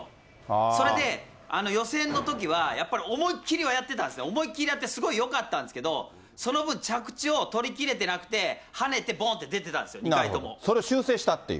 それで予選のときはやっぱり思いっ切りやってたんですね、思い切りやってすごいよかったんですけど、その分、着地を取りきれてなくて、跳ねて、ぼんって出てたんですよ、それ、修正したっていう。